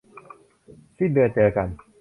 สิ้นเดือนเจอกัน